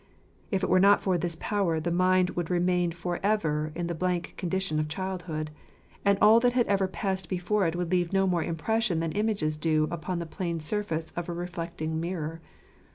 If it were not for this power the mind would remain for ever in the blank condition of childhood, and all that had ever passed before it would leave no more impression than images do upon the plain surface of a reflecting mirror.